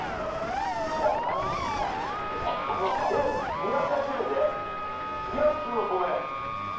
２００回記念で２００粒の米。